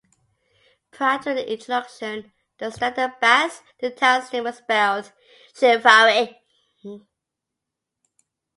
Prior to the introduction of Standard Basque, the town's name was spelled "Echevarri".